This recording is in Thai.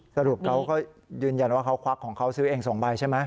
สรุปเขาก็ยืนยันว่าเขาควักของเขาซื้อเอง๒ใบใช่ไหม